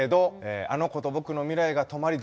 「あの子と僕の未来が止まり